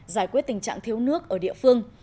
giải quyết tình trạng thiếu nước ở địa phương